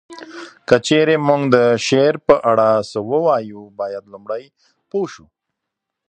که چیري مونږ د شعر په اړه څه ووایو باید لومړی پوه شو